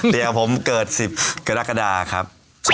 เดี๋ยวผมเกิด๑๐กรกฎาครับ